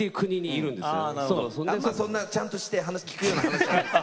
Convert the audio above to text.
あんまそんなちゃんとして聞くような話じゃないです。